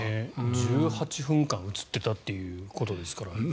１８分間映っていたということですから。